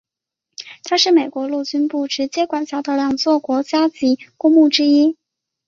它是美国陆军部直接管辖的两座国家级公墓之一。